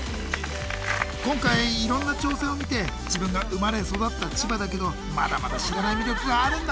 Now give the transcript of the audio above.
今回いろんな挑戦を見て自分が生まれ育った千葉だけどまだまだ知らない魅力があるんだね。